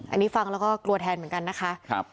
อันนี้ฟังแล้วก็กลัวแทนเหมือนกันนะคะ